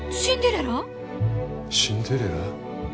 シンデレラ？